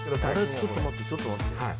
ちょっと待ってちょっと待って。